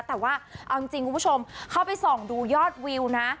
แต่ว่าเอาจริงคุณผู้ชมเข้าไปส่องดูยอดวิวนะ